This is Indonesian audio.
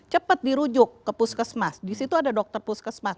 cepat dirujuk ke puskesmas disitu ada dokter puskesmas